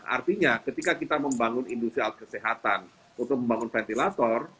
artinya ketika kita membangun industri alat kesehatan untuk membangun ventilator